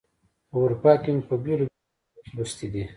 په اروپا کې مي په بېلو بېلو غونډو کې لوستې دي.